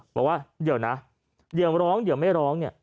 บอกว่าเดี๋ยวนะเดี๋ยวร้องเดี๋ยวไม่ร้องเนี่ย